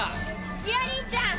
ギラ兄ちゃん！